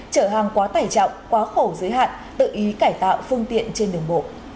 chở hàng quá tải trọng quá khổ giới hạn tự ý cải tạo phương tiện trên đường bộ